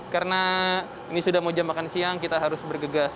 karena ini sudah mau jam makan siang kita harus bergegas